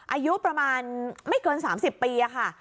อายุประมาณไม่เกิน๓๐ปีค่ะ